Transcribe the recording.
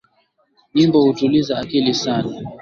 Nyimbo hutuliza akili sana